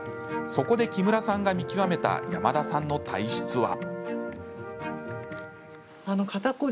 そこで、木村さんが見極めた山田さんの体質は。